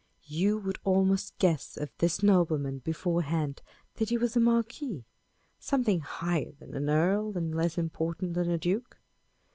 You would almost guess of this nobleman beforehand that he was a marquis â€" something higher than an earl, and less important than a duke.